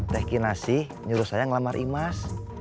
tegi nasi nyuruh saya ngelamar imas